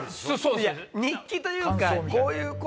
いや日記というか。